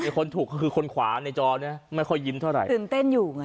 คนถูกก็คือคนขวาในจอเนี่ยไม่ค่อยยิ้มเท่าไหร่ตื่นเต้นอยู่ไง